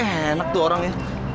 enak tuh orangnya